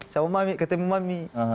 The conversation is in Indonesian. sama mami ketemu mami